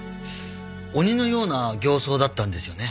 鬼のような形相だったんですよね。